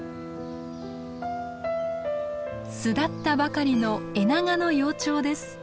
巣立ったばかりのエナガの幼鳥です。